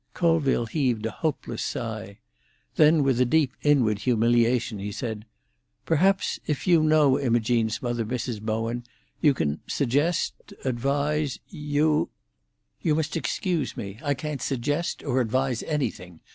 Colville heaved a hopeless sigh. Then with a deep inward humiliation, he said, "Perhaps if you know Imogene's mother, Mrs. Bowen, you can suggest—advise—You—" "You must excuse me; I can't suggest or advise anything.